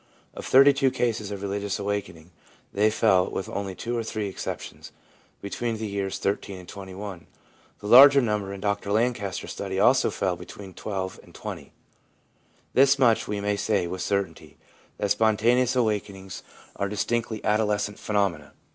Of 32 cases of religious awakening, they fell, with only two or three exceptions, between the years 13 and 21 ; the larger number in Dr Lancaster's study also fell between 12 and 20. 1 This much we may say with certainty, that spon taneous awakenings are distinctly adolescent phenomena.